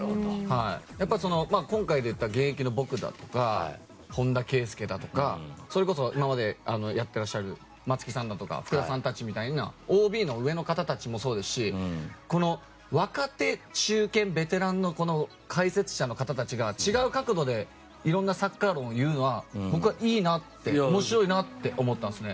やっぱり、今回でいったら現役の僕だとか本田圭佑だとかそれこそ今までやっていらっしゃる松木さんだとか福田さんたちみたいなＯＢの上の方たちもそうですし若手、中堅、ベテランの解説者の方たちが違う角度でいろいろなサッカー論を言うのは僕は、いいな、面白いなって思ったんですよね。